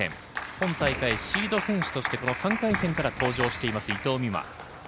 今大会シード選手として３回戦から登場している伊藤美誠。